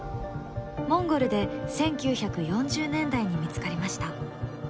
モンゴルで１９４０年代に見つかりました。